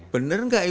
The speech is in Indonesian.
bener gak itu